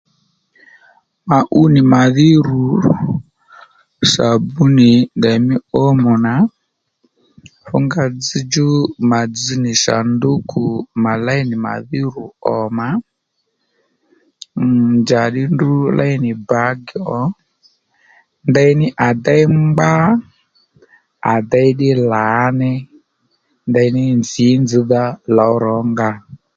Mà ú nì màdhí ru sabúnì ndèymí ómò nà fú nga dzzdjú mà dzz nì sàndúkù mà léy nì màdhí ru òmà mm njàddí ndrǔ léy nì bǎgì ò ndení à déy ngbá à déy ddí lǎní ndèyní nzǐ nzzìdha lǒw rǒnga